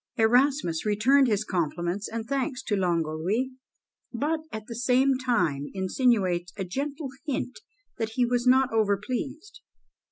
Erasmus returned his compliments and thanks to Longolius, but at the same time insinuates a gentle hint that he was not overpleased.